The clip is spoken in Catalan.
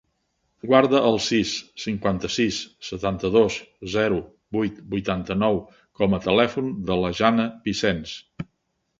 Guarda el sis, cinquanta-sis, setanta-dos, zero, vuit, vuitanta-nou com a telèfon de la Jana Vicens.